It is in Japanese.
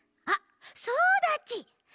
あっそうだち！